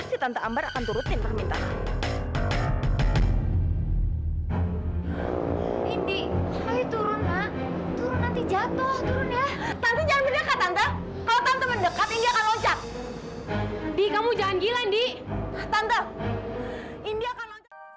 indi akan lonjong